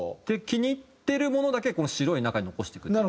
で気に入ってるものだけこの白い中に残していく。